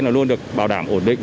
nó luôn được bảo đảm ổn định